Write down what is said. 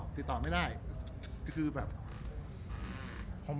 รูปนั้นผมก็เป็นคนถ่ายเองเคลียร์กับเรา